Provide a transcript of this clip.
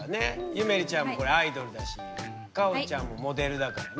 ゆめりちゃんもこれアイドルだしかおちゃんもモデルだからね。